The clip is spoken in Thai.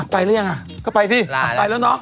ไปแล้วยังอะก็ไปสิไปแล้วเนอะ